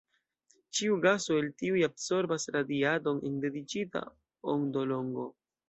Ĉiu gaso el tiuj absorbas radiadon en dediĉita ondolongo.